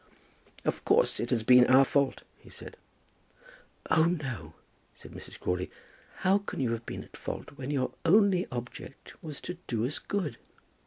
"Of course, it has been our fault," he said. "Oh, no," said Mrs. Crawley, "how can you have been in fault when your only object was to do us good?"